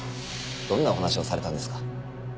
どんなお話をされたんですか？